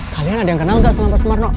kalian ada yang kenal gak sama pak sumarno